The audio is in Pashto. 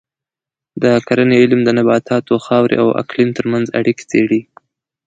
د کرنې علم د نباتاتو، خاورې او اقلیم ترمنځ اړیکې څېړي.